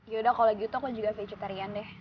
yaudah kalau gitu aku juga vegetarian deh